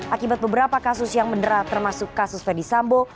akibat beberapa kasus yang menderah termasuk kasus fedi sambo